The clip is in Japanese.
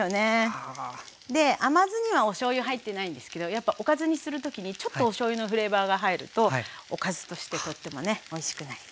甘酢にはおしょうゆ入ってないんですけどやっぱおかずにする時にちょっとおしょうゆのフレーバーが入るとおかずとしてとってもねおいしくなります。